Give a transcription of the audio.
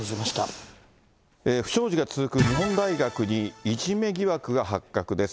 不祥事が続く日本大学にいじめ疑惑が発覚です。